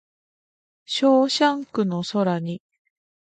ショーシャンクの空に